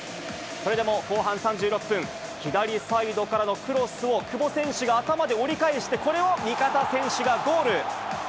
それでも後半３６分、左サイドからのクロスを久保選手が頭で折り返して、これを味方選手がゴール。